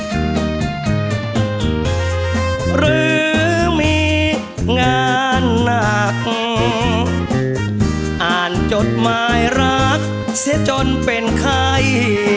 หรือมีงานหนักอ่านจดหมายรักเสียจนเป็นใคร